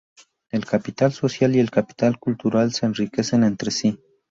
El capital social y el capital cultural se enriquecen entre sí.